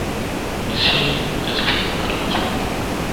Y sin esperar a los mil.